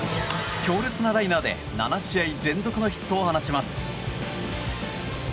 強烈なライナーで７試合連続のヒットを放ちます。